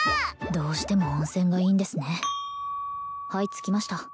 どうしても温泉がいいんですねはい着きました